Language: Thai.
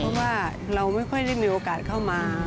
เพราะว่าเราไม่ค่อยได้มีโอกาสเข้ามา